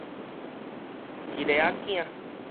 一下子囝